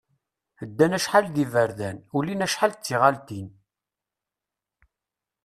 Ddan acḥal deg yiberdan, ulin acḥal d tiɣalin.